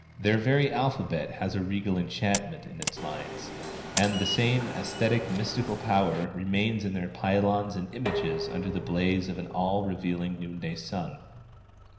Their very alphabet has a regal enchantment in its lines, and the same æsthetic mystical power remains in their pylons and images under the blaze of the all revealing noonday sun.